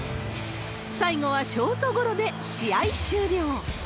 最後はショートゴロで試合終了。